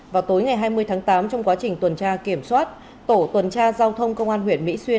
vào tối ngày hai mươi tháng tám trong quá trình tuần tra kiểm soát tổ tuần tra giao thông công an huyện mỹ xuyên